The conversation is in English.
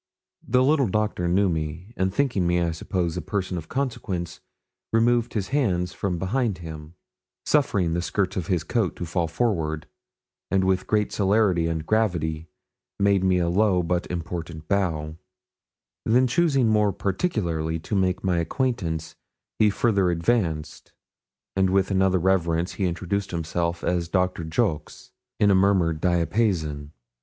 The little doctor knew me, and thinking me, I suppose, a person of consequence, removed his hands from behind him, suffering the skirts of his coat to fall forward, and with great celerity and gravity made me a low but important bow; then choosing more particularly to make my acquaintance he further advanced, and with another reverence he introduced himself as Doctor Jolks, in a murmured diapason.